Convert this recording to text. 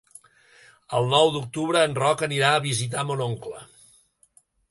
El nou d'octubre en Roc anirà a visitar mon oncle.